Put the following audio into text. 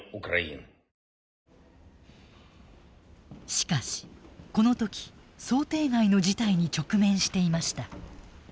しかしこの時想定外の事態に直面していました。